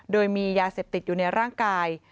โดยมียาเสพติดอยู่ในร่างกาย